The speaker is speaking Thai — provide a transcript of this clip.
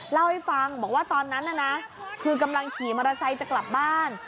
เล่าให้ฟังบอกว่าตอนนั้นน่ะนะคือกำลังขี่มอเตอร์ไซค์จะกลับบ้าน